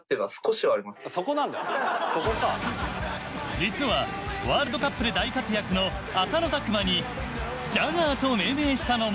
実はワールドカップで大活躍の浅野拓磨にジャガーと命名したのも。